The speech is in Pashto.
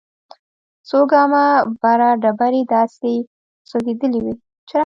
څو ګامه بره ډبرې داسې سوځېدلې وې.